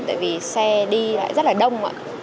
tại vì xe đi lại rất là đông ạ